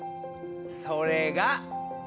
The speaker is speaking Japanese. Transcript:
それが。